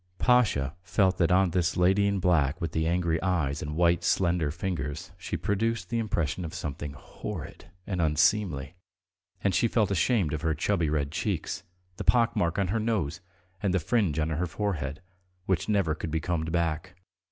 Pasha felt that on this lady in black with the angry eyes and white slender fingers she produced the impression of something horrid and unseemly, and she felt ashamed of her chubby red cheeks, the pock mark on her nose, and the fringe on her forehead, which never could be combed back.